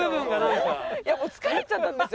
いやもう疲れちゃったんですよ